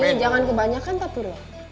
ini jangan kebanyakan tak purlah